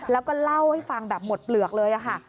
แล้วก็เล่าให้ฟังแบบหมดเปลือกเลยค่ะ